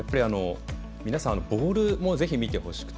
皆さん、ボールもぜひ見てほしくて。